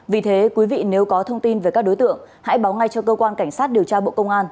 vì thế quý vị nếu có thông tin về các đối tượng hãy báo ngay cho cơ quan cảnh sát điều tra bộ công an